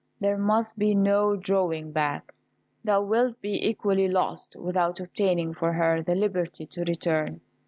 There must be no drawing back: thou wilt be equally lost, without obtaining for her the liberty to return."